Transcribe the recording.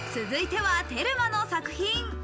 続いてはテルマの作品。